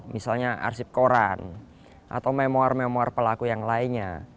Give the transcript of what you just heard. misalnya arsip koran atau memoir memoir pelaku yang lainnya